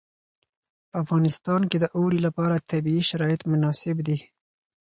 په افغانستان کې د اوړي لپاره طبیعي شرایط مناسب دي.